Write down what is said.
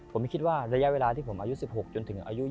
ผมไม่คิดว่าระยะเวลาที่ผมอายุ๑๖จนถึงอายุ